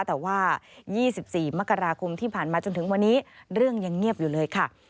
แต่ว่า๒๔มกราคมที่ผ่านมาจนถึงวันนี้เรื่องยังเงียบอยู่เลยค่ะ